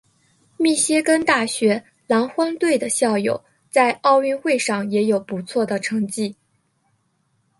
密歇根大学狼獾队的校友在奥运会上也有不错的成绩。